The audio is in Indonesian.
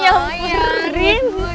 gue mau nyamperin